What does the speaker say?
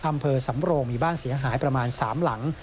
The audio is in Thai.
อำเภอสำโรงมีบ้านเสียหายประมาณ๓หลัง